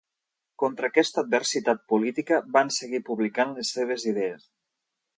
Contra aquesta adversitat política, van seguir publicant les seves idees.